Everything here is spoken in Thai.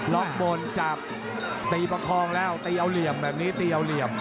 ล็อกบนจับตีประคองแล้วตีเอาเหลี่ยมแบบนี้ตีเอาเหลี่ยม